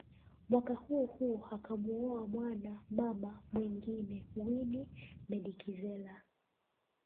Mwaka huo huo akamoua mwana mama mwingine Winnie Medikizela